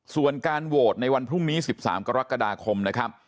ส่วนการโหวตในวันพรุ่งนี้๑๓กรกฎาคมนะครับ